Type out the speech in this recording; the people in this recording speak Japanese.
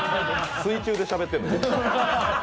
水中でしゃべってる。